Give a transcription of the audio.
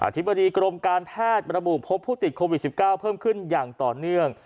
ธิบดีกรมการแพทย์ระบุพบผู้ติดโควิด๑๙เพิ่มขึ้นอย่างต่อเนื่อง